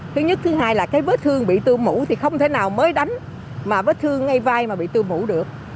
thứ nhất thứ hai là cái vết thương bị tư mủ thì không thể nào mới đánh mà vết thương ngay vai mà bị tư mủ được